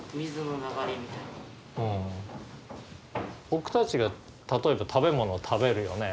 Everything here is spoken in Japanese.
僕たちが例えば食べ物を食べるよね。